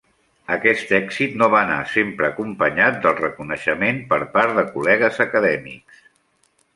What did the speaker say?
Aquest èxit no va anar sempre acompanyat del reconeixement per part de col·legues acadèmics.